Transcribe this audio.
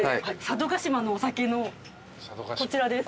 佐渡島のお酒のこちらです。